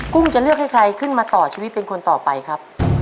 ุ้งจะเลือกให้ใครขึ้นมาต่อชีวิตเป็นคนต่อไปครับ